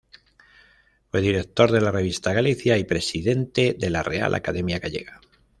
Fue director de la Revista "Galicia" y presidente de la Real Academia Gallega.